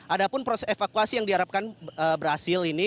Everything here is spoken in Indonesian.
ada pun proses evakuasi yang diharapkan berhasil ini